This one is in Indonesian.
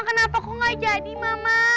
kenapa kok gak jadi mama